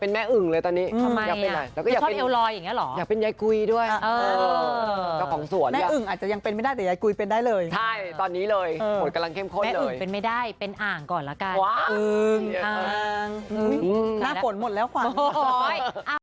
เป็นแฟนที่การตอบรับเป็นอย่างดีมากเลย